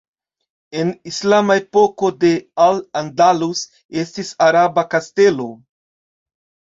En islama epoko de Al Andalus estis araba kastelo.